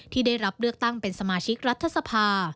ที่ได้รับเลือกตั้งเป็นสมาชิกรัฐสภา